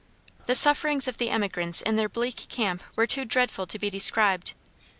The sufferings of the emigrants in their bleak camp were too dreadful to be described.